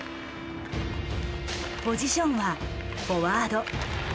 ポジションはフォワード。